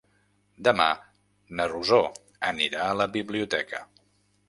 Demà na Rosó anirà a la biblioteca.